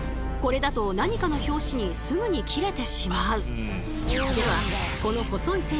これだと何かの拍子にすぐに切れてしまう。